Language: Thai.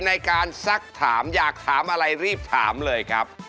สักถามอยากถามอะไรรีบถามเลยครับ